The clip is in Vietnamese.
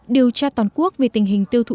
điều tra toàn quốc về tình hình tiêu thụ